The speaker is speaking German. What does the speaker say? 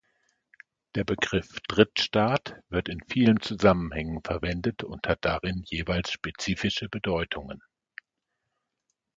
Der Begriff „Drittstaat“ wird in vielen Zusammenhängen verwendet und hat darin jeweils spezifische Bedeutungen.